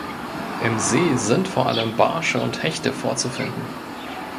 Im See sind vor allem Barsche und Hechte vorzufinden.